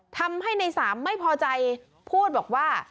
ทำให้ในสามไม่พอใจพูดบอกว่า